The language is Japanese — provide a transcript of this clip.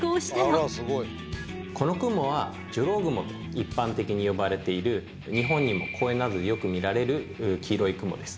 このクモはジョロウグモと一般的に呼ばれている日本にも公園などでよく見られる黄色いクモです。